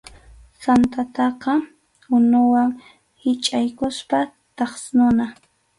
Sansataqa unuwan hichʼaykuspa thasnuna.